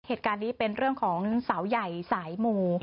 เหตุการณ์นี้เป็นเรื่องของสาวใหญ่สายหมู่